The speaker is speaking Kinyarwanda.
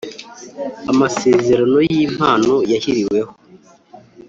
amasezerano y ‘impano yashyiriweho.